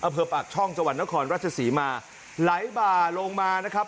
อเผิบอักช่องจวันนครรัชศรีมาไหลบ่าลงมานะครับ